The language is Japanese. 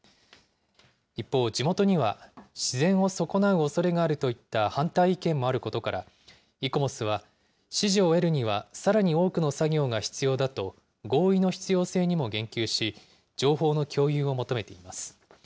一方、地元には自然を損なうおそれがあるといった反対意見もあることから、イコモスは支持を得るにはさらに多くの作業が必要だと合意の必要性にも言及し、情報の共有を求めています。